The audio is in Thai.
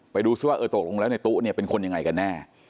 ไปดูซิว่าเออตกลงแล้วในตู้เนี่ยเป็นคนยังไงกันแน่